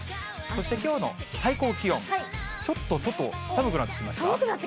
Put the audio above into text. そしてきょうの最高気温、ちょっと外、寒くなってきました。